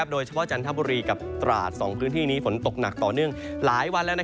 จันทบุรีกับตราด๒พื้นที่นี้ฝนตกหนักต่อเนื่องหลายวันแล้ว